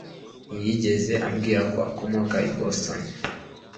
ntiyigeze ambwira ko akomoka i boston